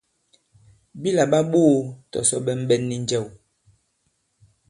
Bi làɓa ɓoō tɔ̀sɔ ɓɛ̀nɓɛ̀n nì njɛ̀w.